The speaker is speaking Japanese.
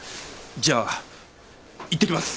じゃあいってきます。